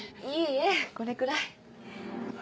いいえこれくらい。